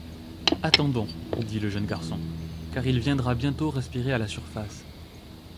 Attendons, dit le jeune garçon, car il viendra bientôt respirer à la surface.